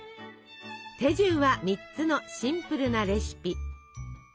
手順は３つのシンプルなレシピ。